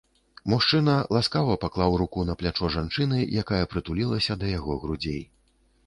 Мужчына ласкава паклаў руку на плячо жанчыны, якая прытулілася да яго грудзей.